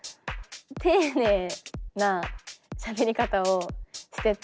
丁寧なしゃべり方をしてて。